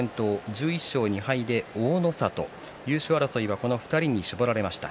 １１勝２敗で大の里、優勝争いはこの２人に絞られました。